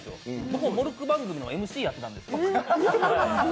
僕、モルック番組のＭＣやってたんですよ。